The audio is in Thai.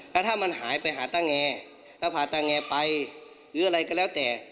แล้วถ้ามันหายไปหาตาแงแล้วพาต้าแงไปหรืออะไรก็แล้วแต่